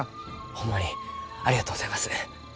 ホンマにありがとうございます。